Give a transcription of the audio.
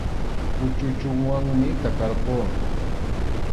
Kuchuchunwanmi takarquwan.